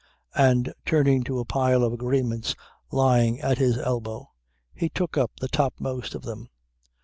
And turning to a pile of agreements lying at his elbow he took up the topmost of them.